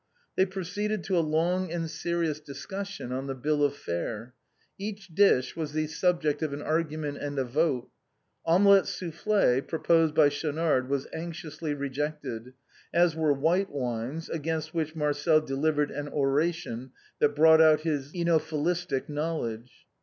They proceeded to a long and serious discussion on the bill of fare. Each dish was the subject of an argument and a vote. Omelette soufïïée, proposed by Schaunard, was anxiously rejected, as were white wines, against which Mar cel delivered an oration that brought out his œnophilistic knowledge.